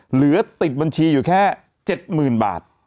เหลือติดบัญชีอยู่แค่๗๐๐๐บาท